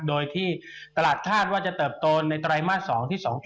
โดยที่ตลาดคาดว่าจะเติบโตในไตรมาส๒ที่๒๗